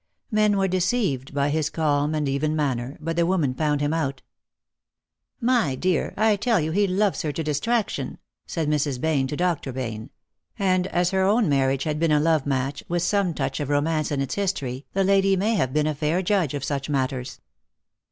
Men were deceived by his calm and even manner, but the women found him out. " My dear, I tell you he loves her to distraction," said Mrs. Bayne to Dr. Bayne ; and as her own marriage had been a love match, with some touch of romance in its history, the lady may have been a fair judge of such matters.